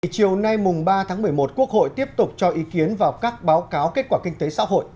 chiều nay ba tháng một mươi một quốc hội tiếp tục cho ý kiến vào các báo cáo kết quả kinh tế xã hội